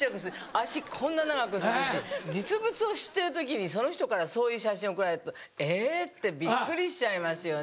足こんな長くするし実物を知ってる時にその人からそういう写真を送られるとえ！ってびっくりしちゃいますよね。